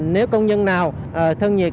nếu công nhân nào thân nhiệt